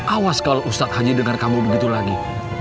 awas kalau ustadz haji dengar kamu begitu lagi